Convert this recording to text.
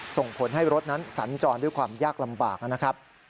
ส่งผลให้รถนั้นสัญจรด้วยความยากลำบากนะครับ